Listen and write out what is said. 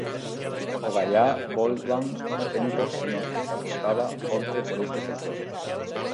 Ogallá volvan os tempos nos que se apostaba forte por este sector.